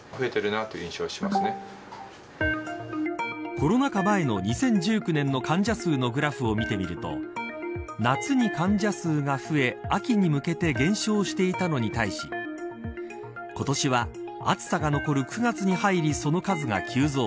コロナ禍前の２０１９年の患者数のグラフを見てみると夏に患者数が増え秋に向けて減少していたのに対し今年は、暑さが残る９月に入りその数が急増。